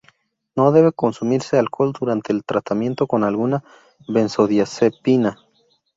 No debe consumirse alcohol durante el tratamiento con alguna benzodiazepina.